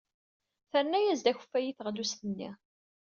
Terna-as akeffay i teɣlust-nni.